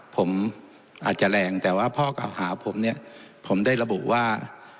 ผมอาจจะแรงแต่ว่าข้อเก่าหาผมเนี่ยผมได้ระบุว่า